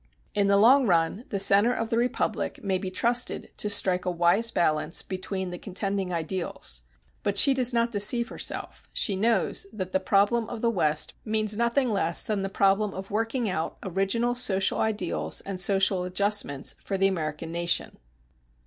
In the long run the "Center of the Republic" may be trusted to strike a wise balance between the contending ideals. But she does not deceive herself; she knows that the problem of the West means nothing less than the problem of working out original social ideals and social adjustments for the American nation.